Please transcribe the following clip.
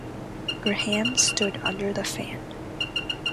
Graham stood under the fan.